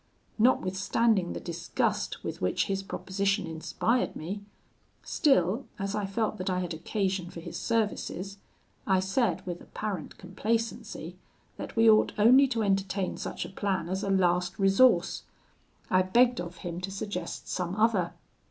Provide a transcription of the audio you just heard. Notwithstanding the disgust with which his proposition inspired me, still, as I felt that I had occasion for his services, I said, with apparent complacency, that we ought only to entertain such a plan as a last resource. I begged of him to suggest some other.